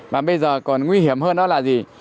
mà bây giờ còn nguy hiểm hơn đó là gì